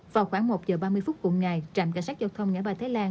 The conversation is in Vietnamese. vào khoảng một giờ ba mươi phút cùng ngày trạm cảnh sát giao thông ngã ba thái lan